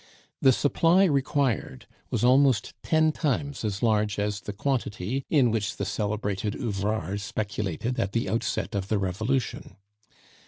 The supply required was almost ten times as large as the quantity in which the celebrated Ouvrard speculated at the outset of the Revolution.